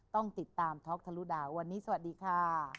ต้องติดตามท็อกทะลุดาววันนี้สวัสดีค่ะ